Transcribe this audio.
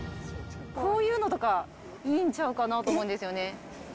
こういうのとか、いいんちゃうかなと思うんですよね。